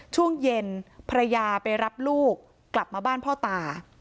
ช่วงเย็นภรรยาไปรับลูกกลับมาบ้านพ่อตา